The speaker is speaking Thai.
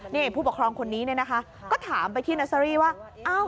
นี่ผู้ปกครองคนนี้นะคะก็ถามไปที่นัสรีว่า